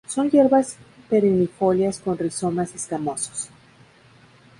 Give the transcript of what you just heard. Son hierbas perennifolias con rizomas escamosos.